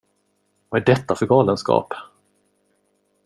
Vad är detta för galenskap?